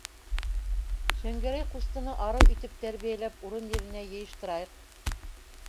Шәңгәрәй ҡустыны арыу итеп тәрбиәләп урын-еренә йыйыштырайыҡ.